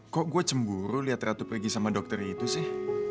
kok gue cemburu lihat ratu pergi sama dokter itu sih